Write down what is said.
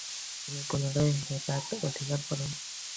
তিনি পুনরায় হেরাত অধিকার করেন।